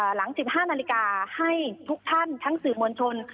หลัง๑๕นาฬิกาให้ทุกท่านทั้งสื่อมวลชน